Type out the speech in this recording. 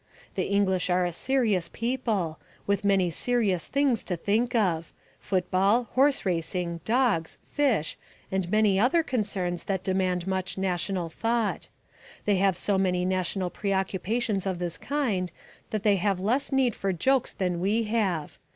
The English are a serious people, with many serious things to think of football, horse racing, dogs, fish, and many other concerns that demand much national thought: they have so many national preoccupations of this kind that they have less need for jokes than we have.